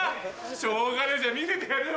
しょうがないじゃあ見せてやるよ。